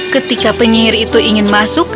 ketika penyihir itu ingin masuk